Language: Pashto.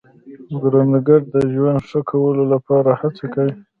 کروندګر د ژوند ښه کولو لپاره هڅه کوي